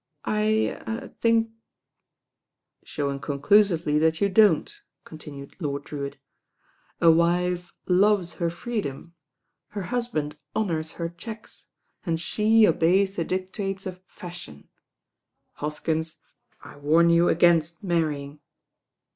"I— €r— think " "Showing conclusively that you don't," continued Lord Drewitt. "A wife loves her freedom; her husband honours her cheques; and she obeys the dic tates of fashion. Hoskins, I warn you against mar rying."